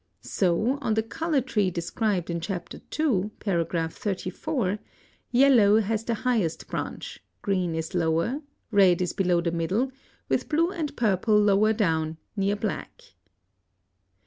So on the color tree described in Chapter II., paragraph 34, yellow has the highest branch, green is lower, red is below the middle, with blue and purple lower down, near black.